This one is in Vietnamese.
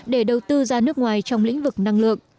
để đầu tư ra nước ngoài trong lĩnh vực năng lượng